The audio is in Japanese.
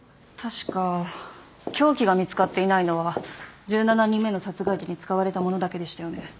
確か凶器が見つかっていないのは１７人目の殺害時に使われたものだけでしたよね。